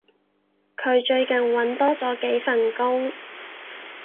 佢最近搵多咗幾份工